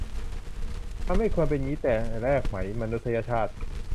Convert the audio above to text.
มันไม่ควรเป็นงี้แต่แรกไหม มนุษยชาติ